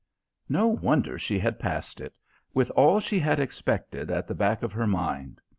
No wonder she had passed it; with all she had expected at the back of her mind!